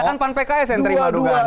ya kan pak pks yang terima dugaannya